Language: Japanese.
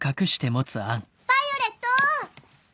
ヴァイオレット！